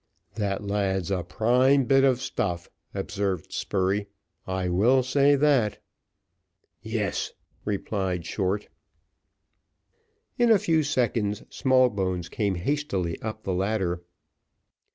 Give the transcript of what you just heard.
"That lad's a prime bit of stuff," observed Spurey, "I will say that." "Yes," replied Short. In a few seconds Smallbones came hastily up the ladder.